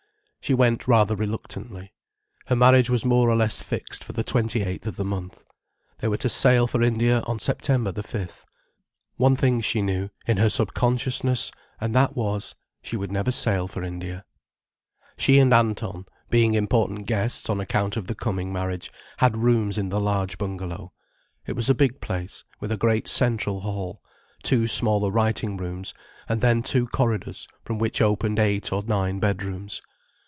She went rather reluctantly. Her marriage was more or less fixed for the twenty eighth of the month. They were to sail for India on September the fifth. One thing she knew, in her subconsciousness, and that was, she would never sail for India. She and Anton, being important guests on account of the coming marriage, had rooms in the large bungalow. It was a big place, with a great central hall, two smaller writing rooms, and then two corridors from which opened eight or nine bedrooms.